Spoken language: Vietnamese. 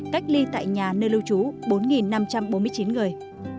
cách ly tại nhà nơi lưu trú bốn năm trăm bốn mươi chín người